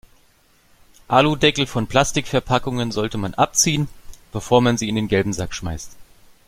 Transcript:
Aludeckel von Plastikverpackungen sollte man abziehen, bevor man sie in den gelben Sack schmeißt.